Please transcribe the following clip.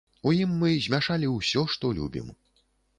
У ім мы змяшалі ўсё, што любім.